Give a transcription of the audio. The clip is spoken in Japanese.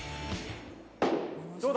どうだ？